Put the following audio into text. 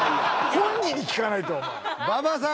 本人に聞かないとお前馬場さん